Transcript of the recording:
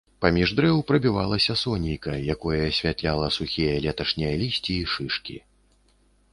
Паміж дрэў прабівалася сонейка, якое асвятляла сухія леташнія лісці і шышкі.